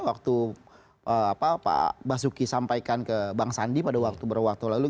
waktu pak basuki sampaikan ke bang sandi pada waktu lalu